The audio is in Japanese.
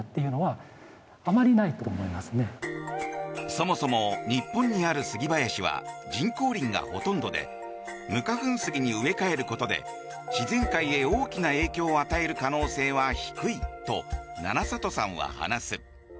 そもそも、日本にあるスギ林は人工林がほとんどで無花粉スギに植え替えることで自然界へ大きな影響を与える可能性は低いと七里さんは話す。